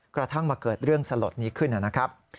กระทั่งมาเกิดเรื่องสลดนี้ขึ้นนะครับ